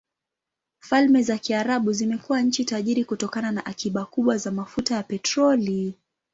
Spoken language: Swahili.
Falme za Kiarabu zimekuwa nchi tajiri kutokana na akiba kubwa za mafuta ya petroli.